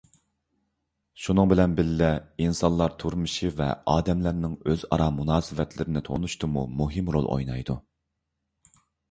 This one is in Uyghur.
شۇنىڭ بىلەن بىللە ئىنسانلار تۇرمۇشى ۋە ئادەملەرنىڭ ئۆزئارا مۇناسىۋەتلىرىنى تونۇشتىمۇ مۇھىم رول ئوينايدۇ.